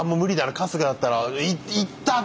春日だったら痛っ！